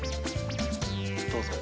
どうぞ。